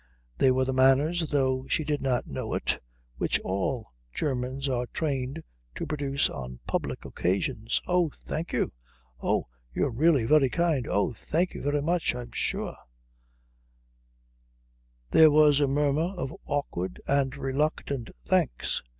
They were the manners, though she did not know it, which all Germans are trained to produce on public occasions. "Oh, thank you " "Oh, you're really very kind " "Oh, thank you very much I'm sure " There was a murmur of awkward and reluctant thanks.